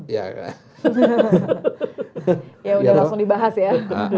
ya sudah langsung dibahas ya